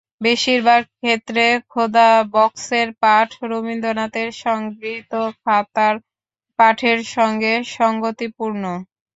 বেশির ভাগ ক্ষেত্রে খোদা বক্সের পাঠ রবীন্দ্রনাথের সংগৃহীত খাতার পাঠের সঙ্গে সংগতিপূর্ণ।